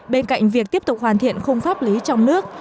bên cạnh việc tiếp tục hoàn thiện khung pháp lý trong nước